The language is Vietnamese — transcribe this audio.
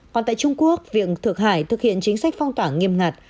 còn tại trung quốc việc thượng hải thực hiện chính sách phong tỏa nghiêm ngặt